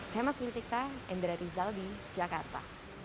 kami selitikkan dan berarti saldi jakarta